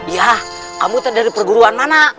ya kamu tadi dari perguruan mana